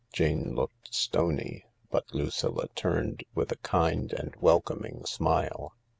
Jane looked stony, but Lucilla turned with a kind and welcoming smile.